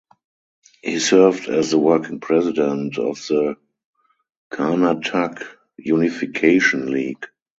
He served as the Working President of the Karnatak Unification League.